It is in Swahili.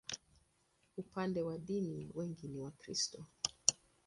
Upande wa dini, wengi ni Wakristo.